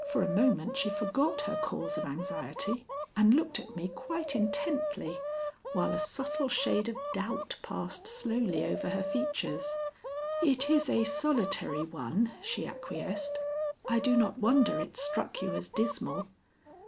For a moment she forgot her cause of anxiety and looked at me quite intently, while a subtle shade of doubt passed slowly over her features. "It is a solitary one," she acquiesced. "I do not wonder it struck you as dismal.